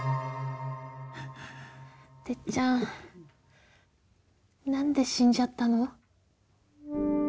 てっちゃん何で死んじゃったの？